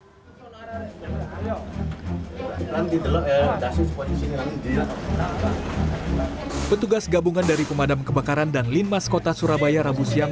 pada hari ini petugas gabungan dari pemadam kebakaran dan linmas kota surabaya rabu siang